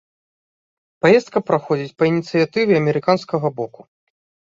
Паездка праходзіць па ініцыятыве амерыканскага боку.